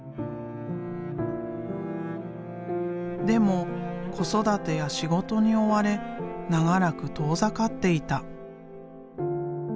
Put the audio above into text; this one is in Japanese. でも子育てや仕事に追われ長らく遠ざかっていた。